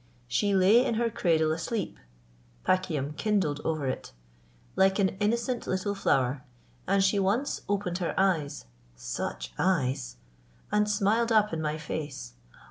"She lay in her cradle asleep" Pakium kindled over it "like an innocent little flower, and she once opened her eyes such eyes! and smiled up in my face.